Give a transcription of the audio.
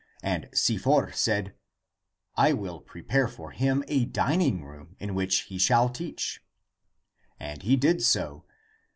And Si for said, " I will prepare for him a dining room in which he shall teach." And he did so.